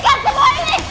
tolong hentikan semua ini